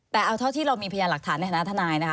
แต่เอาเท่าที่เรามีพยานหลักฐานในฐานะทนายนะคะ